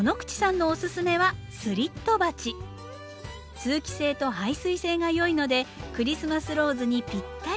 通気性と排水性が良いのでクリスマスローズにぴったり。